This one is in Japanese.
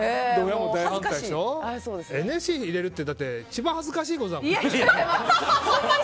ＮＳＣに入れるってだって一番恥ずかしいことだからね。